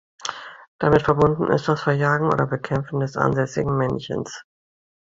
Damit verbunden ist das Verjagen oder Bekämpfen des ansässigen Männchens.